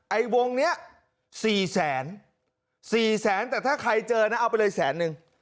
ไอ้วงนี้๔แสนสี่แสนแต่ถ้าใครเจอนะเอาไปเลยแสนนึง